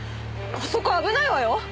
あそこ危ないわよ。